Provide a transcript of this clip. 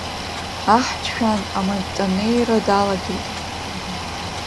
Аҳ дшәан аматанеира далагеит…